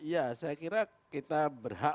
ya saya kira kita berhak